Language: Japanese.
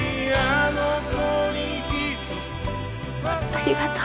ありがとう。